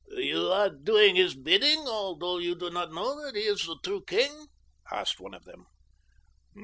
"You are doing his bidding, although you do not know that he is the true king?" asked one of them.